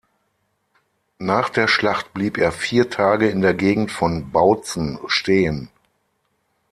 Nach der Schlacht blieb er vier Tage in der Gegend von Bautzen stehen.